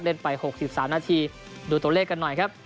ไป๖๓นาทีดูตัวเลขกันหน่อยครับ